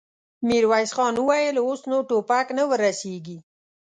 ميرويس خان وويل: اوس نو ټوپک نه ور رسېږي.